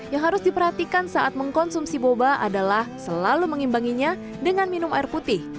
yang harus diperhatikan saat mengkonsumsi boba adalah selalu mengimbanginya dengan minum air putih